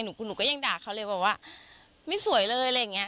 หนูก็ยังด่าเขาเลยบอกว่าไม่สวยเลยอะไรอย่างนี้